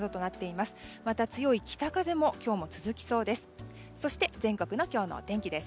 また、強い北風も今日も続きそうです。